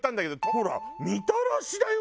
ほらみたらしだよ！